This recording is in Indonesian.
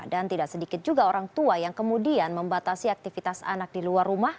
dan tidak sedikit juga orang tua yang kemudian membatasi aktivitas anak di luar rumah